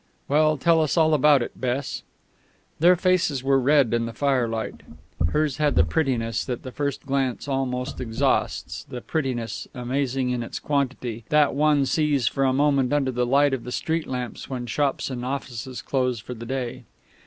Well, tell us all about it, Bess." Their faces were red in the firelight. Hers had the prettiness that the first glance almost exhausts, the prettiness, amazing in its quantity, that one sees for a moment under the light of the street lamps when shops and offices close for the day.